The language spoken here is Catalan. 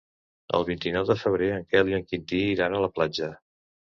El vint-i-nou de febrer en Quel i en Quintí iran a la platja.